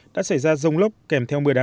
đã xảy ra rông lốc kèm theo mưa đá